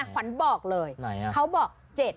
ขวัญบอกเลยเขาบอก๗๗